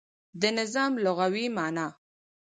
د نظام لغوی معنا